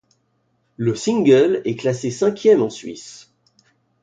Le single est classé cinquième en Suisse.